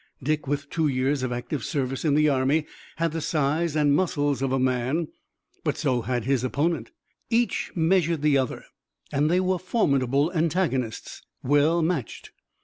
Dick with two years of active service in the army had the size and muscles of a man. But so had his opponent. Each measured the other, and they were formidable antagonists, well matched.